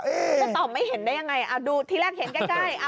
จะตอบไม่เห็นได้ยังไงดูที่แรกเห็นใกล้